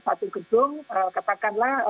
satu gedung katakanlah